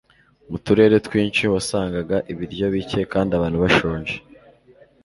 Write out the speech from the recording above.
mu turere twinshi, wasangaga ibiryo bike kandi abantu bashonje